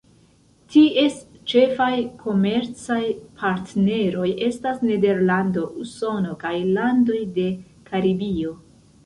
Ties ĉefaj komercaj partneroj estas Nederlando, Usono kaj landoj de Karibio.